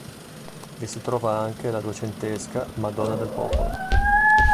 Vi si trova anche la duecentesca "Madonna del Popolo".